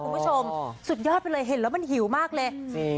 คุณผู้ชมสุดยอดเป็นอะไรเห็นแล้วมันหิวมากเลยจริง